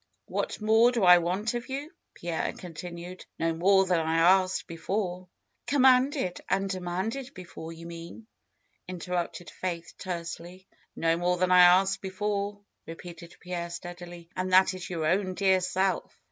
^^What more do I want of you?" Pierre continued. '^No more than I asked before " Commanded and demanded before, you mean!" in terrupted Faith tersely. ^^No more than I asked before," repeated Pierre steadily. '^And that is your own dear self."